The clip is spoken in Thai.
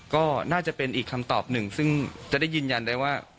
ก็น่าจะเป็นอีกคำตอบหนึ่งซึ่งจะได้ยืนยันได้ว่า